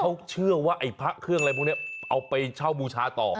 เขาเชื่อว่าไอ้พระเครื่องอะไรพวกนี้เอาไปเช่าบูชาต่อ